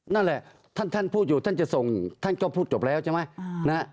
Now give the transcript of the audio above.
นั่นแหละท่านพูดอยู่ท่านจะส่งท่านก็พูดจบแล้วใช่ไหม